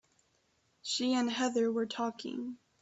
She and Heather were talking.